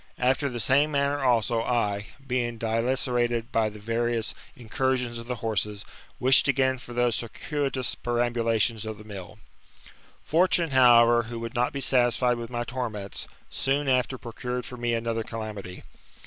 Aft%r the same manner also, I, being dilacerated by the various in cursions of the horses, wished again for those circuitous perambulations of the mill. Fortune, however, who would not be satisfied with my torments, soon after procured for me another calamity.